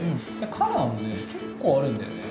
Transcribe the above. カラーもね結構あるんだよね。